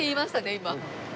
今。